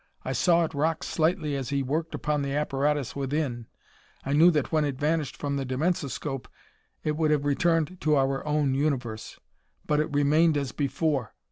I saw it rock slightly as he worked upon the apparatus within. I knew that when it vanished from the dimensoscope it would have returned to our own universe. But it remained as before.